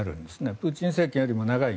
プーチン政権よりも長い。